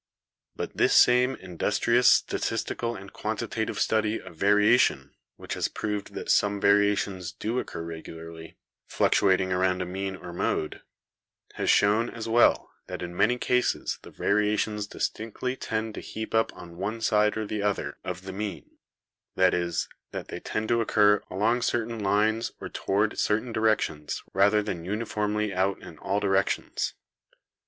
''But this same industrious statistical and quantitative study of variation which has proved that some varia tions do occur regularly, fluctuating around a mean or mode, has shown, as well, that in many cases the varia tions distinctly tend to heap up on one side or the other of the mean; that is, that they tend to occur along cer tain lines or toward certain directions rather than uni formly out in all directions.